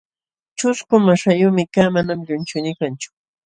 ćhusku maśhayuqmi kaa, manam llunchuynii kanchu.